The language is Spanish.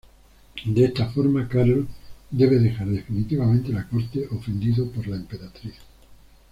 De esta forma Carlos debe dejar definitivamente la corte, ofendido por la Emperatriz.